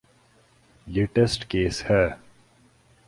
یہ test case ہے۔